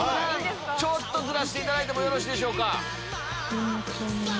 ちょっとずらしていただいてもよろしいでしょうか？